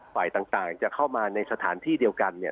ฝ่ายต่างจะเข้ามาในสถานที่เดียวกันเนี่ย